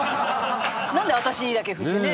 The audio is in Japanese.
なんで私にだけ振ってね。